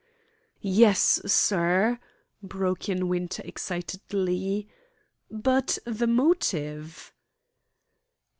"Yes, sir!" broke in Winter excitedly. "But the motive!"